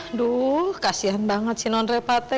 aduh kasian banget sih nona repate